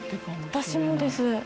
私もです。